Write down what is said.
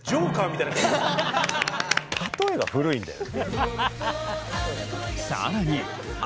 例えが古いんだよ。